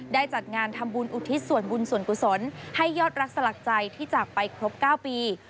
จัดงานทำบุญอุทิศส่วนบุญส่วนกุศลให้ยอดรักสลักใจที่จากไปครบ๙ปี